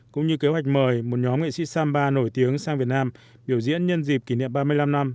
cũng như kế hoạch mời một nhóm nghệ sĩ samba nổi tiếng sang việt nam biểu diễn nhân dịp kỷ niệm ba mươi năm năm